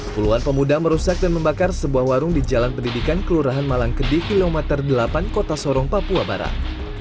puluhan pemuda merusak dan membakar sebuah warung di jalan pendidikan kelurahan malang kedi kilometer delapan kota sorong papua barat